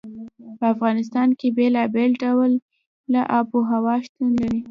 په افغانستان کې بېلابېل ډوله آب وهوا شتون لري.